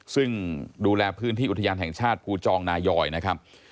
ซึ่งดูแลพื้นที่อุทยานแห่งชาติภูจองนายอยนะครับ